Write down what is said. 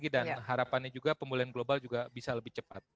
dan harapannya juga pemulihan global juga bisa lebih cepat